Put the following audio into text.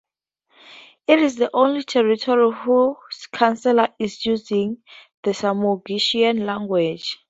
It is the only territory whose Council is using the Samogitian language.